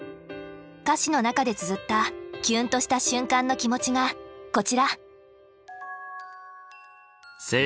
歌詞の中でつづったキュンとした瞬間の気持ちがこちら。